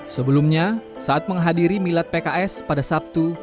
sebelumnya saat menghadiri milad pks pada sabtu